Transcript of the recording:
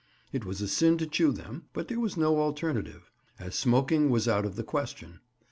It was a sin to chew them, but there was no alternative, as smoking was out of the question.